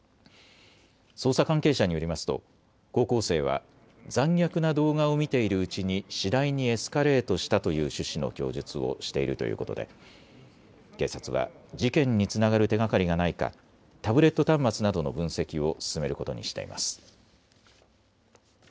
捜査関係者によりますと高校生は残虐な動画を見ているうちに次第にエスカレートしたという趣旨の供述をしているということで警察は事件につながる手がかりがないかタブレット端末などの分析を進めることにしています。